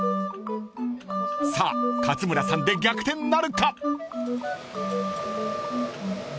［さあ勝村さんで逆転なるか］